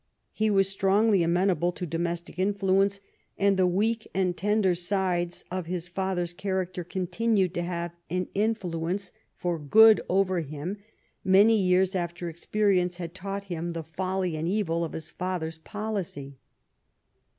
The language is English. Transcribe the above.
He was strongly amenable to domestic influence, and the weak and tender sides of his father's character continued to have an influence for good over him many years after experience had taught him the folly and evil of his father's policy.